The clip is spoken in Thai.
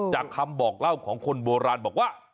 คำบอกเล่าของคนโบราณบอกว่า